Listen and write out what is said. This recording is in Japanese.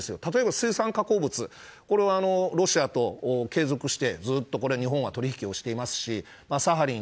例えば水産加工物はロシアと継続して日本は取引をしていますしサハリン